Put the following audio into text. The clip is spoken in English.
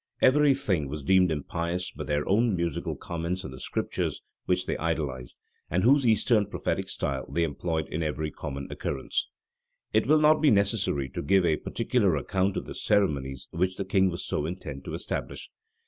Every thing was deemed impious but their own mystical comments on the Scriptures, which they idolized, and whose Eastern prophetic style they employed in every common occurrence. It will not be necessary to give a particular account of the ceremonies which the king was so intent to establish.